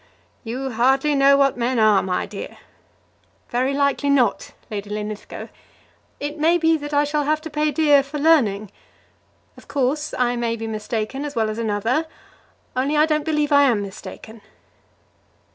"You hardly know what men are, my dear." "Very likely not, Lady Linlithgow. It may be that I shall have to pay dear for learning. Of course, I may be mistaken as well as another, only I don't believe I am mistaken."